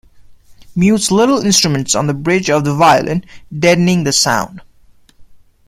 Mutes little instruments on the bridge of the violin, deadening the sound.